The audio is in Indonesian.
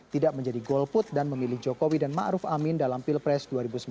tidak menjadi golput dan memilih jokowi dan ⁇ maruf ⁇ amin dalam pilpres dua ribu sembilan belas